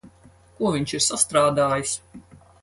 Ko viņš ir sastrādājis?